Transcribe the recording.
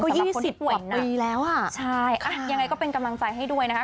ยี่สิบกว่าปีแล้วอ่ะใช่อ่ะยังไงก็เป็นกำลังใจให้ด้วยนะคะ